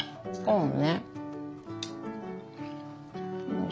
うん。